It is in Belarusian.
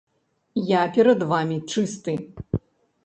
Я перад вамі чысты!